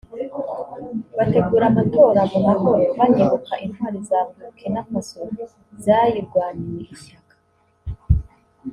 bategura amatora mu mahoro banibuka intwari za Burkina Faso zayirwaniye ishyaka